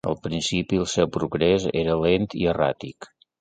Al principi el seu progrés era lent i erràtic.